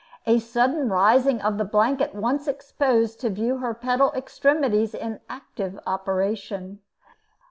A sudden rising of the blanket once exposed to view her pedal extremities in active operation.